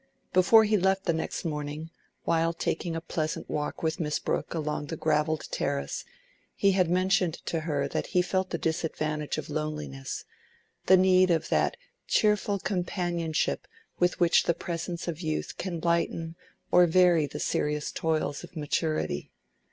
Before he left the next morning, while taking a pleasant walk with Miss Brooke along the gravelled terrace, he had mentioned to her that he felt the disadvantage of loneliness, the need of that cheerful companionship with which the presence of youth can lighten or vary the serious toils of maturity.